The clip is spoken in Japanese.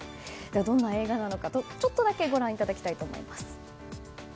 どんな映画なのかちょっとだけご覧いただきます。